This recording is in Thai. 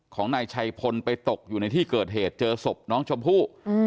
ของนายชัยพลไปตกอยู่ในที่เกิดเหตุเจอศพน้องชมพู่